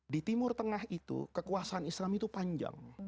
di timur tengah itu kekuasaan islam itu panjang